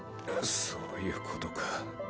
そういうことか。